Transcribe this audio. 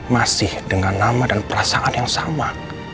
masih dengan nama dan perasaan yang sama